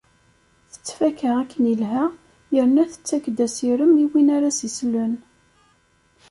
Tettfakka akken ilha, yerna tettak-d asirem i winn ara as-islen.